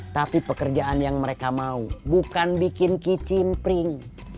tapi pekerjaan yang mereka mau bukan bikin kicim pring